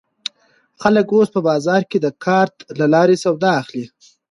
خلک اوس په بازار کې د کارت له لارې سودا اخلي.